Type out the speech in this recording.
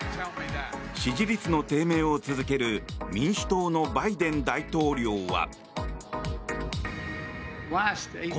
支持率の低迷を続ける民主党のバイデン大統領は。